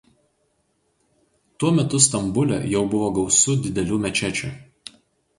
Tuo metu Stambule jau buvo gausu didelių mečečių.